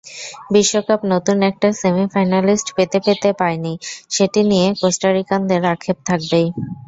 বিশ্বকাপ নতুন একটা সেমিফাইনালিস্ট পেতে পেতে পায়নি, সেটি নিয়ে কোস্টারিকানদের আক্ষেপ থাকবেই।